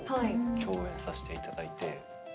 共演させていただいて。